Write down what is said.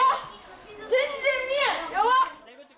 全然見えん、やば！